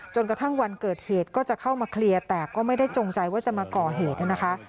จนกระทั่งวันเกิดเหตุก็จะเข้ามาเคลียร์แต่ก็ไม่ได้จงใจว่าจะมาก่อเหตุนะคะ